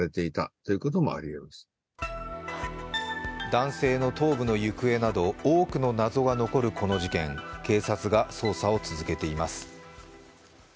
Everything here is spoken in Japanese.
男性の頭部の行方など多くの謎が残るこの事件警察が捜査を続けています。